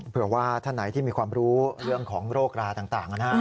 เผื่อว่าท่านไหนที่มีความรู้เรื่องของโรคราต่างนะฮะ